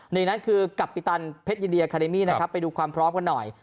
ในนั้นคือกัปตันพยันะครับไปดูความพร้อมกันหน่อย